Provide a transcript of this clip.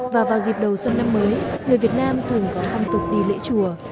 và vào dịp đầu xuân năm mới người việt nam thường có phong tục đi lễ chùa